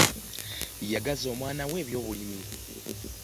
Yagaza omwanawo ebyobulimi.